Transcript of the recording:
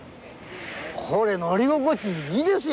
これ乗り心地いいですよ。